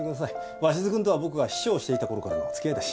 鷲津君とは僕が秘書をしていた頃からのつきあいだし。